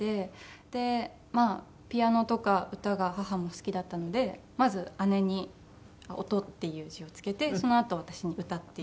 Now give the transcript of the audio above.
でまあピアノとか歌が母も好きだったのでまず姉に「音」っていう字をつけてそのあと私に「歌」っていう。